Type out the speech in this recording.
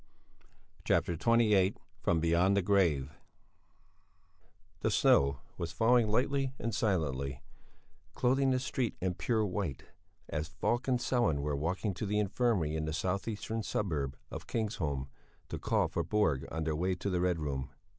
CHAPTER XXVIII FROM BEYOND THE GRAVE The snow was falling lightly and silently, clothing the street in pure white, as Falk and Sellén were walking to the infirmary in the south eastern suburb of Kingsholm, to call for Borg on their way to the Red Room.